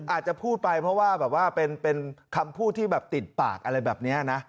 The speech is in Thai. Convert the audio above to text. อาจจะพูดไปเพราะว่าแบบว่าเป็นคำพูดที่แบบติดปากอะไรแบบนี้นะ